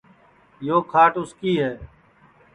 یو کھاٹ اُس کی ہے